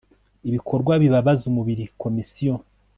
ibikorwa bibabaza umubiri Komisiyo